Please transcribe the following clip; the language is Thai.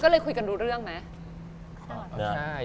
ก็เลยคุยกันรู้เรื่องไหม